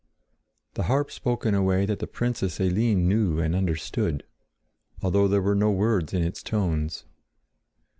The harp spoke in a way that the Princess Eline knew and understood, although there were no words in its tones.